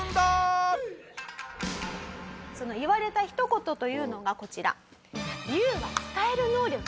その言われた一言というのがこちら。